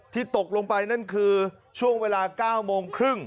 ตกลงไปนั่นคือช่วงเวลา๙โมงครึ่ง